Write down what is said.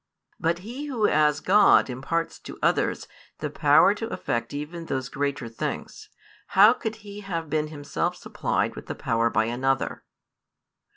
But He Who as God imparts to others the power to effect even those greater things, how could He have been Himself supplied with the power by another?"